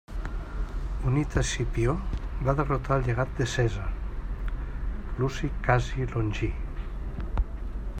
Unit a Escipió va derrotar el llegat de Cèsar, Luci Cassi Longí.